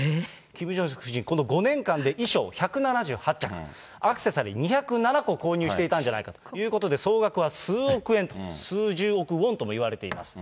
キム・ジョンスク夫人、この５年間で衣装１７８着、アクセサリー２０７個購入していたんじゃないかと、総額は数億円と、数十億ウォンともいわれています。